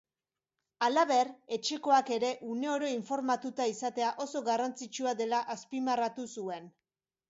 Halaber, etxekoak ere une oro informatuta izatea oso garrantzitsua dela azpimarratu zuen.